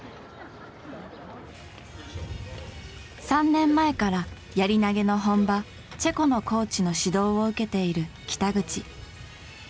３年前からやり投げの本場チェコのコーチの指導を受けている北口。